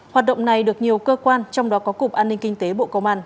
hoạt động này được nhiều cơ quan trong đó có cục an ninh kinh tế bộ công an